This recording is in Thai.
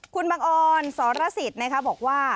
คุณบังออนสรศิษย์นะคะบอกว่า